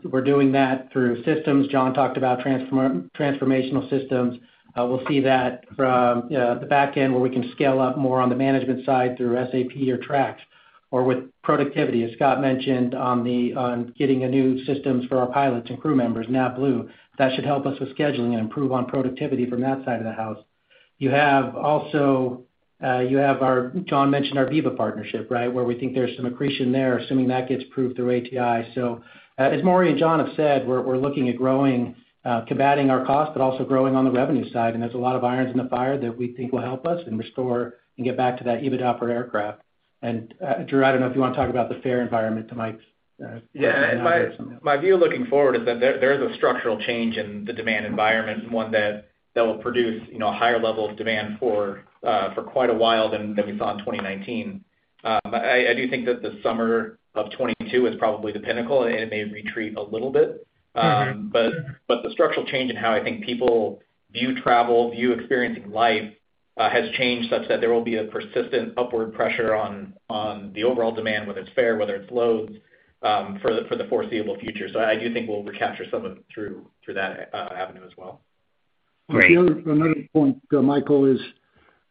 We're doing that through systems. John talked about transformational systems. We'll see that from the back end, where we can scale up more on the management side through SAP or TRAX or with productivity, as Scott mentioned on getting new systems for our pilots and crew members, Navitaire. That should help us with scheduling and improve on productivity from that side of the house. You also have. John mentioned our Viva partnership, right? Where we think there's some accretion there, assuming that gets approved through ATI. As Maury and John have said, we're looking at growing, combating our costs, but also growing on the revenue side. There's a lot of irons in the fire that we think will help us and restore and get back to that EBITDA per aircraft. Drew, I don't know if you want to talk about the fare environment to Mike's. Yeah. My view looking forward is that there is a structural change in the demand environment, and one that will produce, you know, a higher level of demand for quite a while than we saw in 2019. I do think that the summer of 2022 is probably the pinnacle, and it may retreat a little bit. Mm-hmm. The structural change in how I think people view travel, view experiencing life, has changed such that there will be a persistent upward pressure on the overall demand, whether it's fare, whether it's loads, for the foreseeable future. I do think we'll recapture some of it through that avenue as well. Great. Another point, Michael, is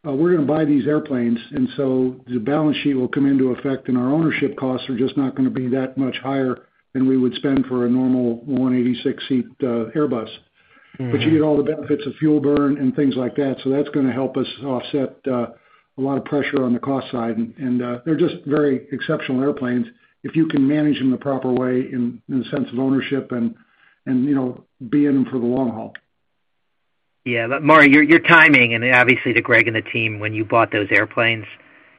we're gonna buy these airplanes, and so the balance sheet will come into effect, and our ownership costs are just not gonna be that much higher than we would spend for a normal 186-seat Airbus. Mm-hmm. You get all the benefits of fuel burn and things like that, so that's gonna help us offset a lot of pressure on the cost side. They're just very exceptional airplanes if you can manage them the proper way in the sense of ownership and you know be in them for the long haul. Yeah. Maury, your timing, and obviously to Greg and the team, when you bought those airplanes,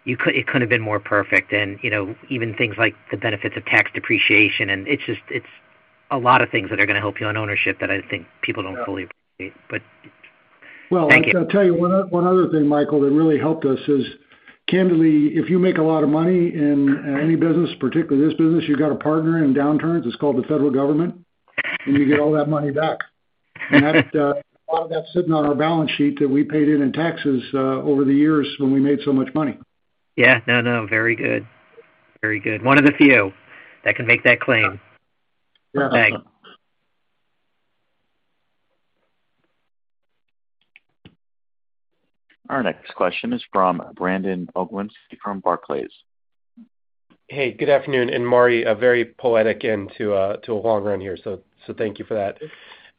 it couldn't have been more perfect. You know, even things like the benefits of tax depreciation, and it's just a lot of things that are gonna help you on ownership that I think people don't fully appreciate. Thank you. Well, I'll tell you one other thing, Michael, that really helped us is, candidly, if you make a lot of money in any business, particularly this business, you've got a partner in downturns, it's called the federal government, and you get all that money back. That, a lot of that's sitting on our balance sheet that we paid in taxes over the years when we made so much money. Yeah. No, no, very good. Very good. One of the few that can make that claim. Thanks. Our next question is from Brandon Oglenski from Barclays. Hey, good afternoon. Maury, a very poetic end to a long run here. Thank you for that.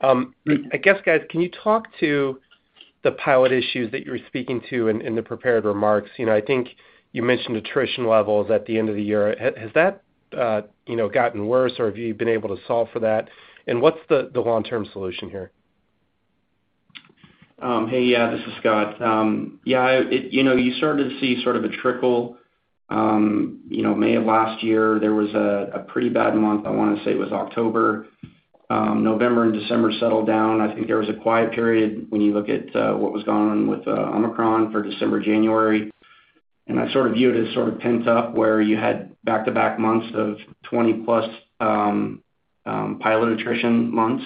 I guess, guys, can you talk to the pilot issues that you were speaking to in the prepared remarks? You know, I think you mentioned attrition levels at the end of the year. Has that gotten worse, or have you been able to solve for that? What's the long-term solution here? Hey. Yeah, this is Scott. Yeah, you know, you started to see sort of a trickle, you know, May of last year. There was a pretty bad month. I wanna say it was October. November and December settled down. I think there was a quiet period when you look at what was going on with Omicron for December, January. I sort of view it as sort of pent up where you had back-to-back months of 20+ pilot attrition months.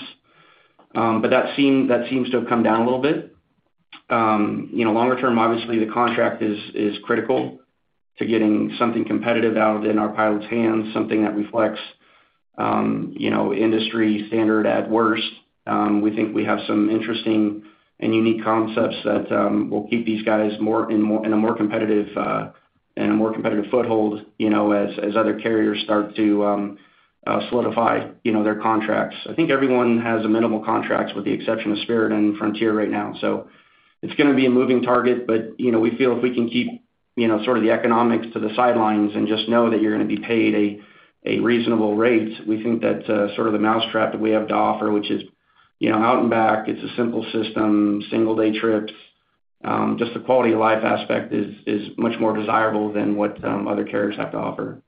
But that seems to have come down a little bit. You know, longer term, obviously the contract is critical to getting something competitive out in our pilot's hands, something that reflects you know, industry standard at worst. We think we have some interesting and unique concepts that will keep these guys in a more competitive foothold, you know, as other carriers start to solidify, you know, their contracts. I think everyone has a minimal contracts with the exception of Spirit and Frontier right now. It's gonna be a moving target, but, you know, we feel if we can keep, you know, sort of the economics to the sidelines and just know that you're gonna be paid a reasonable rate, we think that's sort of the mousetrap that we have to offer, which is, you know, out and back. It's a simple system, single day trips. Just the quality of life aspect is much more desirable than what other carriers have to offer.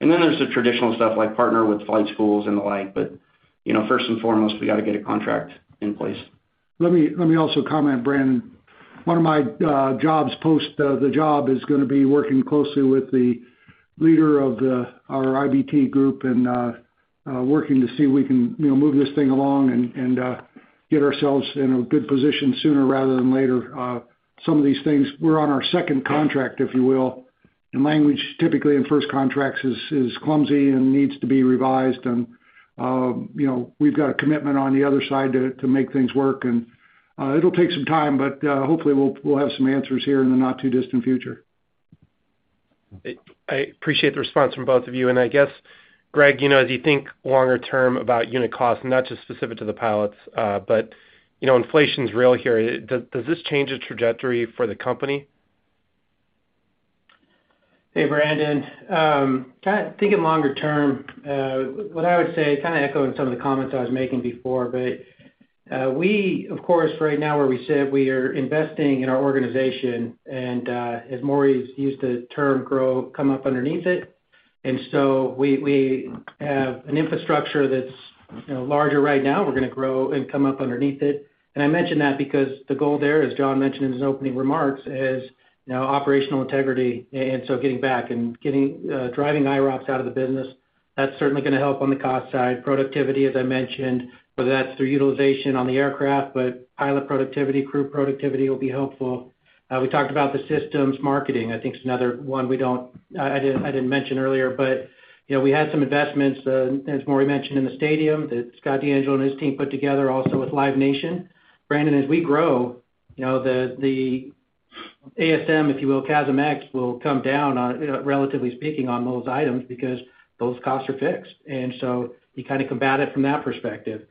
There's the traditional stuff like partner with flight schools and the like. You know, first and foremost, we gotta get a contract in place. Let me also comment, Brandon. One of my jobs post the job is gonna be working closely with the leader of our IBT group and working to see if we can, you know, move this thing along and get ourselves in a good position sooner rather than later. Some of these things, we're on our second contract, if you will, and language typically in first contracts is clumsy and needs to be revised. You know, we've got a commitment on the other side to make things work. It'll take some time, but hopefully we'll have some answers here in the not too distant future. I appreciate the response from both of you. I guess, Greg, you know, as you think longer term about unit costs, not just specific to the pilots, but, you know, inflation's real here. Does this change the trajectory for the company? Hey, Brandon. Kind of thinking longer term, what I would say kind of echoing some of the comments I was making before, but we of course right now where we sit, we are investing in our organization and, as Maury's used the term grow, come up underneath it. So we have an infrastructure that's, you know, larger right now. We're gonna grow and come up underneath it. I mention that because the goal there, as John mentioned in his opening remarks, is, you know, operational integrity. Getting back and driving IROPS out of the business, that's certainly gonna help on the cost side. Productivity, as I mentioned, whether that's through utilization on the aircraft, but pilot productivity, crew productivity will be helpful. We talked about the systems marketing, I think is another one we don't. I didn't mention earlier. You know, we had some investments, as Maury mentioned in the stadium that Scott DeAngelo and his team put together also with Live Nation. Brandon, as we grow, you know, the ASM, if you will, CASM-ex will come down on, you know, relatively speaking, on those items because those costs are fixed. You kind of combat it from that perspective.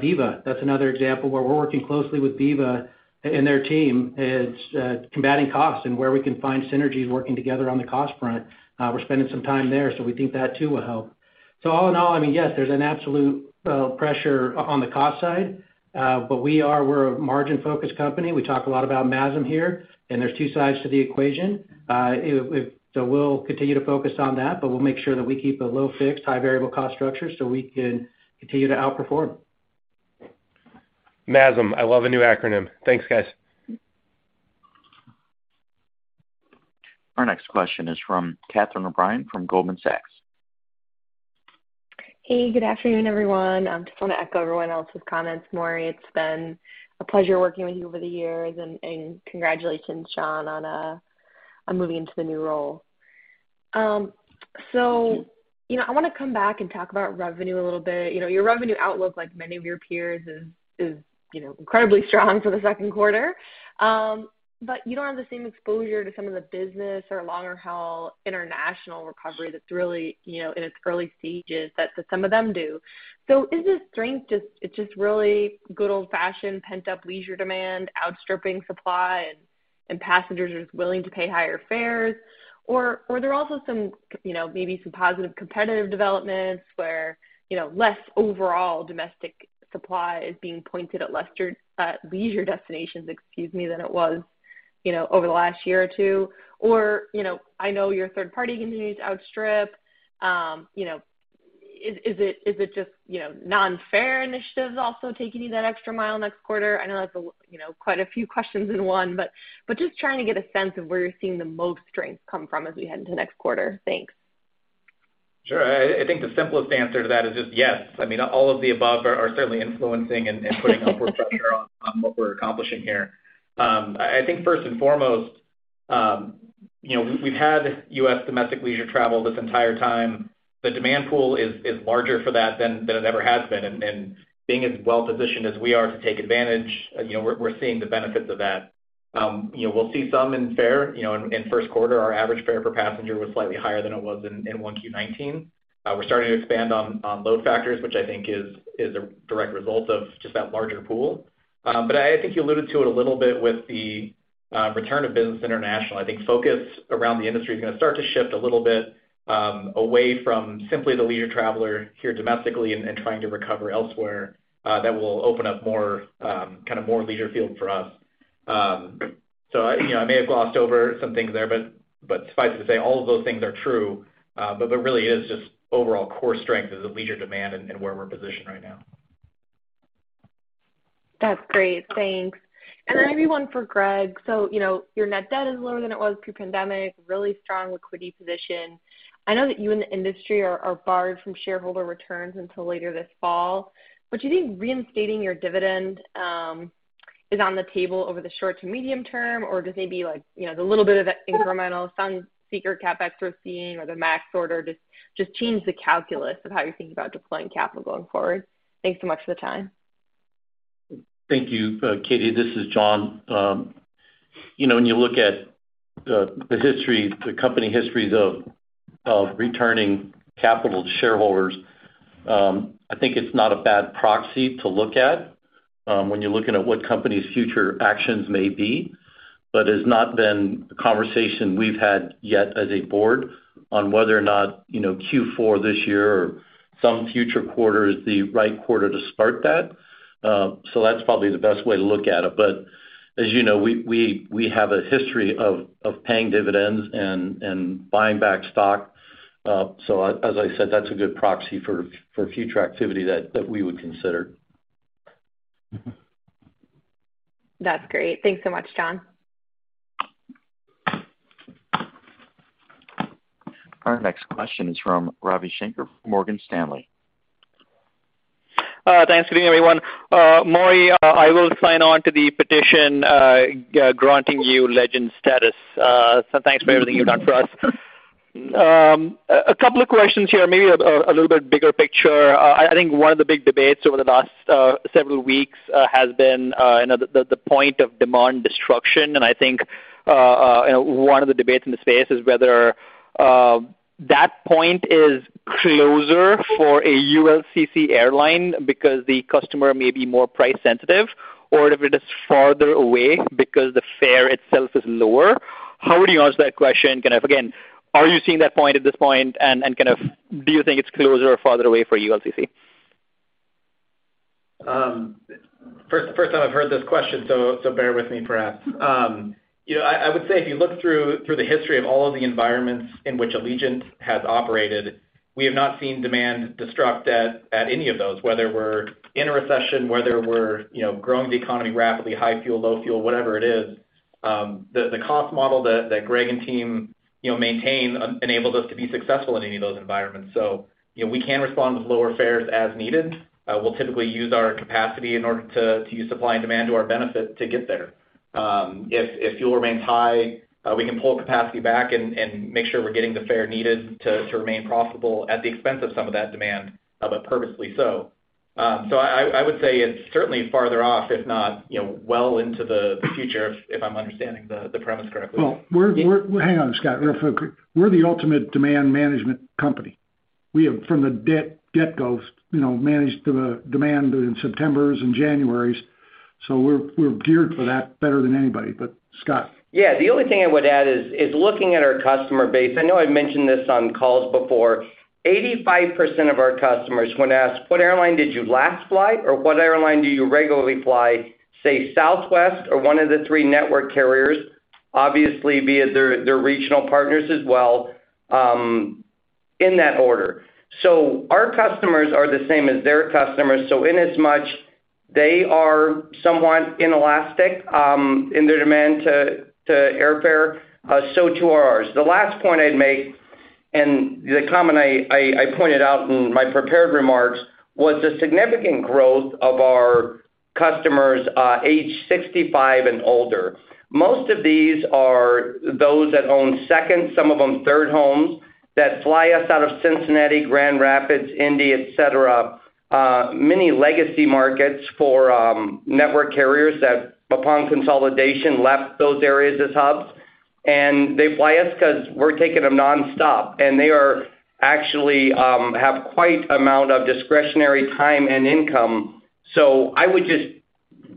Viva, that's another example where we're working closely with Viva and their team. It's combating costs and where we can find synergies working together on the cost front. We're spending some time there, so we think that too will help. All in all, I mean, yes, there's an absolute pressure on the cost side. But we're a margin-focused company. We talk a lot about MASM here, and there's two sides to the equation. We'll continue to focus on that, but we'll make sure that we keep a low fixed, high variable cost structure so we can continue to outperform. MASM, I love a new acronym. Thanks, guys. Our next question is from Catherine O'Brien from Goldman Sachs. Hey, good afternoon, everyone. Just wanna echo everyone else's comments. Maury, it's been a pleasure working with you over the years. Congratulations, John Redmond, on moving into the new role. You know, I wanna come back and talk about revenue a little bit. You know, your revenue outlook, like many of your peers, is incredibly strong for the second quarter. You don't have the same exposure to some of the business or longer haul international recovery that's really, you know, in its early stages that some of them do. Is this strength just really good old-fashioned pent-up leisure demand outstripping supply and passengers are just willing to pay higher fares? Are there also some, you know, maybe some positive competitive developments where, you know, less overall domestic supply is being pointed at lesser, leisure destinations, excuse me, than it was, you know, over the last year or two? You know, I know your third party continues to outstrip. You know, is it just, you know, non-fare initiatives also taking you that extra mile next quarter? I know that's a, you know, quite a few questions in one, but just trying to get a sense of where you're seeing the most strength come from as we head into next quarter. Thanks. Sure. I think the simplest answer to that is just yes. I mean, all of the above are certainly influencing and putting upward pressure on what we're accomplishing here. I think first and foremost, you know, we've had US domestic leisure travel this entire time. The demand pool is larger for that than it ever has been. Being as well-positioned as we are to take advantage, you know, we're seeing the benefits of that. You know, we'll see some in fare. You know, in first quarter, our average fare per passenger was slightly higher than it was in 1Q19. We're starting to expand on load factors, which I think is a direct result of just that larger pool. I think you alluded to it a little bit with the return of business international. I think focus around the industry is gonna start to shift a little bit away from simply the leisure traveler here domestically and trying to recover elsewhere, that will open up more kind of more leisure yield for us. So, you know, I may have glossed over some things there, but suffice it to say all of those things are true. It really is just overall core strength is the leisure demand and where we're positioned right now. That's great. Thanks. Maybe one for Greg. You know, your net debt is lower than it was pre-pandemic, really strong liquidity position. I know that you and the industry are barred from shareholder returns until later this fall. Would you think reinstating your dividend is on the table over the short to medium term or does it maybe like, you know, the little bit of that incremental Sunseeker CapEx we're seeing or the MAX order just change the calculus of how you're thinking about deploying capital going forward? Thanks so much for the time. Thank you, Katie. This is John. You know, when you look at the history, the company histories of returning capital to shareholders, I think it's not a bad proxy to look at, when you're looking at what company's future actions may be. It's not been a conversation we've had yet as a board on whether or not, you know, Q4 this year or some future quarter is the right quarter to start that. That's probably the best way to look at it. As you know, we have a history of paying dividends and buying back stock. As I said, that's a good proxy for future activity that we would consider. That's great. Thanks so much, John. Our next question is from Ravi Shanker from Morgan Stanley. Thanks for being here, everyone. Maury, I will sign on to the petition granting you legend status. Thanks for everything you've done for us. A couple of questions here, maybe a little bit bigger picture. I think one of the big debates over the last several weeks has been you know, the point of demand destruction, and I think you know, one of the debates in the space is whether that point is closer for a ULCC airline because the customer may be more price sensitive or if it is farther away because the fare itself is lower. How would you answer that question? Kind of again, are you seeing that point at this point? And kind of do you think it's closer or farther away for ULCC? First time I've heard this question, so bear with me, perhaps. You know, I would say if you look through the history of all of the environments in which Allegiant has operated, we have not seen demand destruct at any of those, whether we're in a recession, you know, growing the economy rapidly, high fuel, low fuel, whatever it is. The cost model that Greg and team, you know, maintain enables us to be successful in any of those environments. You know, we can respond with lower fares as needed. We'll typically use our capacity in order to use supply and demand to our benefit to get there. If fuel remains high, we can pull capacity back and make sure we're getting the fare needed to remain profitable at the expense of some of that demand, but purposely so. I would say it's certainly farther off, if not, you know, well into the future, if I'm understanding the premise correctly. Well, hang on, Scott. Real quick. We're the ultimate demand management company. We have from the get-go, you know, managed the demand in Septembers and Januarys, so we're geared for that better than anybody. Scott. Yeah. The only thing I would add is looking at our customer base. I know I've mentioned this on calls before. 85% of our customers, when asked what airline did you last fly or what airline do you regularly fly, say Southwest or one of the three network carriers, obviously be it their regional partners as well, in that order. Our customers are the same as their customers, so in as much they are somewhat inelastic in their demand to airfare, so too are ours. The last point I'd make, and the comment I pointed out in my prepared remarks, was the significant growth of our customers age 65 and older. Most of these are those that own second, some of them third homes that fly us out of Cincinnati, Grand Rapids, Indy, et cetera, many legacy markets for network carriers that upon consolidation left those areas as hubs. They fly us 'cause we're taking them nonstop and they are actually have quite amount of discretionary time and income. I would just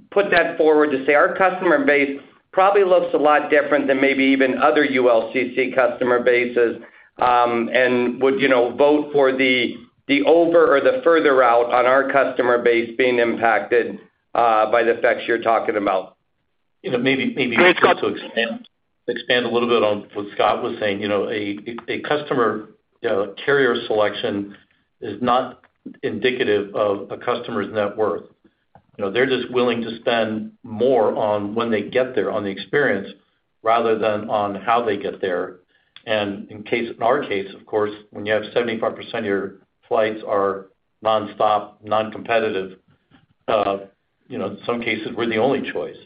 put that forward to say our customer base probably looks a lot different than maybe even other ULCC customer bases, and would, you know, vote for the over or the further out on our customer base being impacted by the effects you're talking about. You know, maybe to expand a little bit on what Scott was saying. You know, a customer, you know, carrier selection is not indicative of a customer's net worth. You know, they're just willing to spend more on when they get there on the experience rather than on how they get there. In our case, of course, when you have 75% of your flights are nonstop, non-competitive, you know, some cases we're the only choice.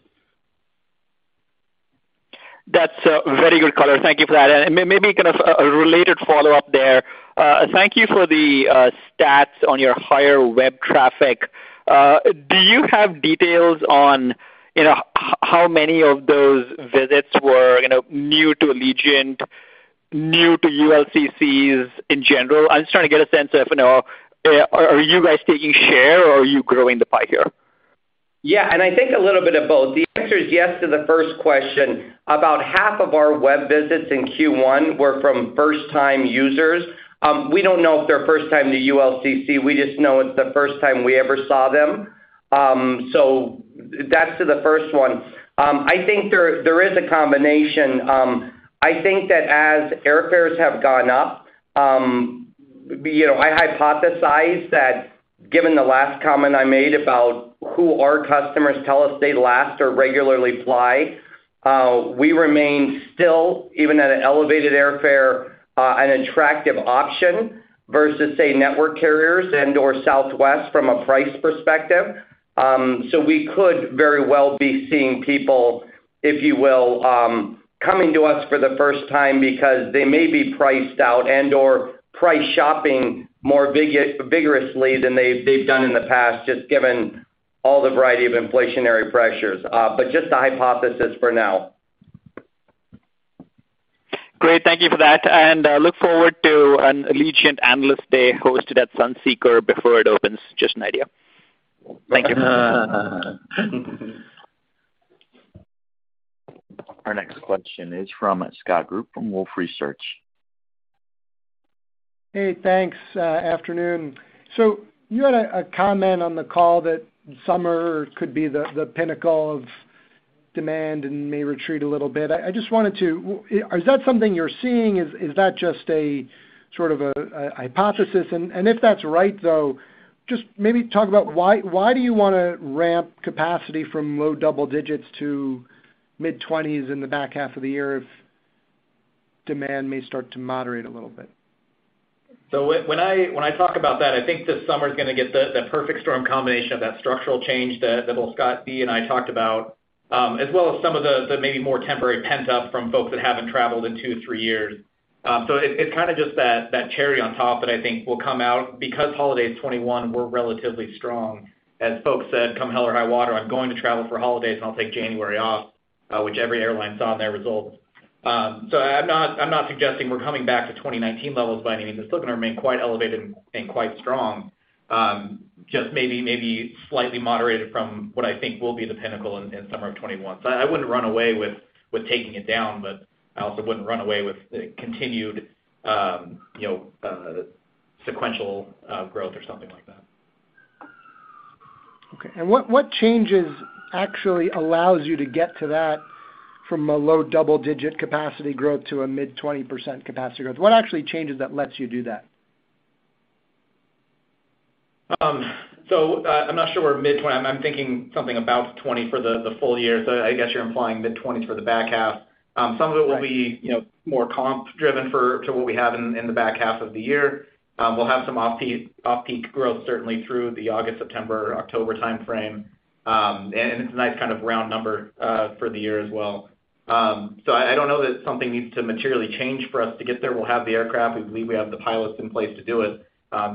That's very good color. Thank you for that. Maybe kind of a related follow-up there. Thank you for the stats on your higher web traffic. Do you have details on, you know, how many of those visits were, you know, new to Allegiant, new to ULCCs in general? I'm just trying to get a sense if, you know, are you guys taking share or are you growing the pie here? Yeah, I think a little bit of both. The answer is yes to the first question. About half of our web visits in Q1 were from first-time users. We don't know if they're first time to ULCC, we just know it's the first time we ever saw them. That's to the first one. I think there is a combination. I think that as airfares have gone up, you know, I hypothesize that given the last comment I made about who our customers tell us they last or regularly fly, we remain still, even at an elevated airfare, an attractive option versus say network carriers and/or Southwest from a price perspective. We could very well be seeing people, if you will, coming to us for the first time because they may be priced out and/or price shopping more vigorously than they've done in the past, just given all the variety of inflationary pressures. Just a hypothesis for now. Great. Thank you for that, and, look forward to an Allegiant analyst day hosted at Sunseeker before it opens. Just an idea. Thank you. Our next question is from Scott Group from Wolfe Research. Hey, thanks. Afternoon. So you had a comment on the call that summer could be the pinnacle of demand and may retreat a little bit. I just wanted to. Is that something you're seeing? Is that just a sort of a hypothesis? If that's right though, just maybe talk about why do you wanna ramp capacity from low double digits to mid-twenties in the back half of the year if demand may start to moderate a little bit? When I talk about that, I think this summer's gonna get the perfect storm combination of that structural change that both Scott B and I talked about, as well as some of the maybe more temporary pent-up from folks that haven't traveled in two to three years. It's kind of just that cherry on top that I think will come out because holidays 2021 were relatively strong, as folks said, "Come hell or high water, I'm going to travel for holidays and I'll take January off," which every airline saw in their results. I'm not suggesting we're coming back to 2019 levels by any means. It's still gonna remain quite elevated and quite strong, just maybe slightly moderated from what I think will be the pinnacle in summer of 2021. I wouldn't run away with taking it down, but I also wouldn't run away with the continued, you know, sequential growth or something like that. Okay. What changes actually allows you to get to that from a low double-digit capacity growth to a mid-20% capacity growth? What actually changes that lets you do that? I'm not sure we're mid-20%. I'm thinking something about 20% for the full-year. I guess you're implying mid-20s% for the back half. Some of it will be. Right You know, more comp driven for to what we have in the back half of the year. We'll have some off-peak growth certainly through the August, September, October timeframe. It's a nice kind of round number for the year as well. I don't know that something needs to materially change for us to get there. We'll have the aircraft. We believe we have the pilots in place to do it.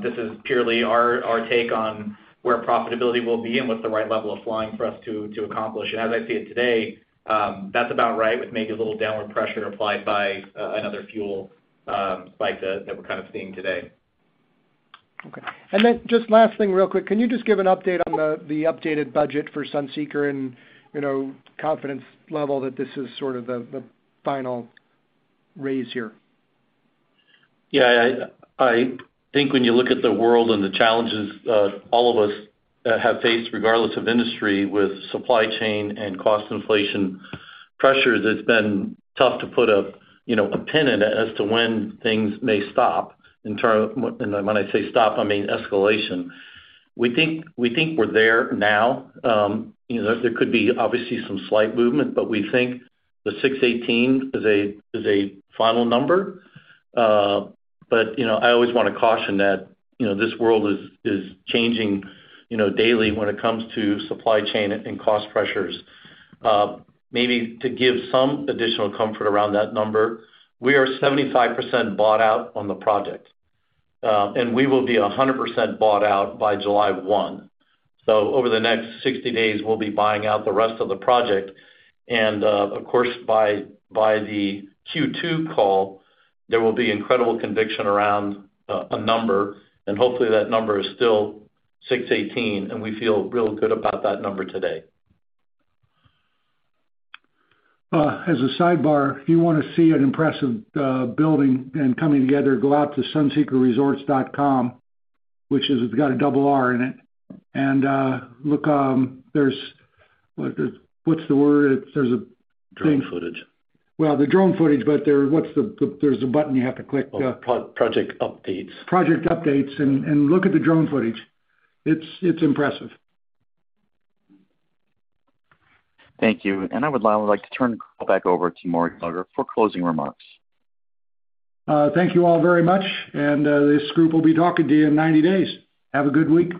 This is purely our take on where profitability will be and what's the right level of flying for us to accomplish. As I see it today, that's about right with maybe a little downward pressure applied by another fuel spike that we're kind of seeing today. Okay. Just last thing real quick. Can you just give an update on the updated budget for Sunseeker and, you know, confidence level that this is sort of the final raise here? Yeah. I think when you look at the world and the challenges, all of us have faced regardless of industry with supply chain and cost inflation pressures, it's been tough to put a, you know, a pin in it as to when things may stop in terms, and when I say stop, I mean escalation. We think we're there now. You know, there could be obviously some slight movement, but we think the 618 is a final number. But, you know, I always wanna caution that, you know, this world is changing, you know, daily when it comes to supply chain and cost pressures. Maybe to give some additional comfort around that number, we are 75% bought out on the project, and we will be 100% bought out by July 1. Over the next 60 days, we'll be buying out the rest of the project. Of course, by the Q2 call, there will be incredible conviction around a number, and hopefully that number is still 618, and we feel real good about that number today. As a sidebar, if you wanna see an impressive building and coming together, go out to SunseekerResorts.com, which has a double R in it, and look. Drone footage. Well, there's a button you have to click. Project updates. Project updates, and look at the drone footage. It's impressive. Thank you. I would like to turn the call back over to Maury Gallagher for closing remarks. Thank you all very much, and this group will be talking to you in 90 days. Have a good week.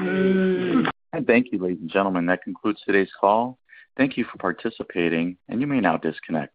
Yay. Thank you, ladies and gentlemen. That concludes today's call. Thank you for participating, and you may now disconnect.